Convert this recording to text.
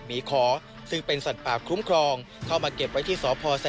จอบประเด็นจากรายงานของคุณศักดิ์สิทธิ์บุญรัฐครับ